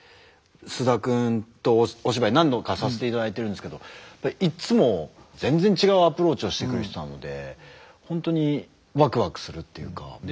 菅田君とお芝居何度かさせていただいてるんですけどいつも全然違うアプローチをしてくる人なので本当にワクワクするっていうか。